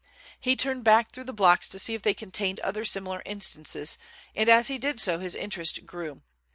He turned back through the blocks to see if they contained other similar instances, and as he did so his interest grew.